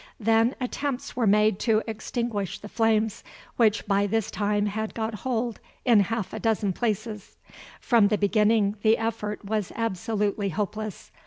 Then attempts were made to extinguish the flames, which by this time had got hold in half a dozen places. From the beginning the effort was absolutely hopeless.